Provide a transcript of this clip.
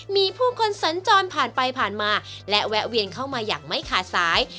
มีผู้คนสัญจรผ่านไปผ่านมาและแวะเวียนเข้ามาอย่างไม่ขาดสาย